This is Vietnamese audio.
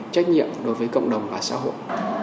trách nhiệm đối với cộng đồng và xã hội